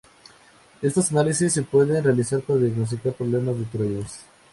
Estos análisis se pueden realizar para diagnosticar problemas de tiroides.